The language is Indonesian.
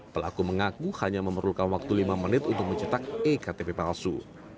pelaku mengaku hanya memerlukan waktu lima menit untuk mencetak ektp palsu